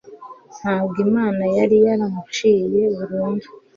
ntabwo imana yari yaramuciye burundu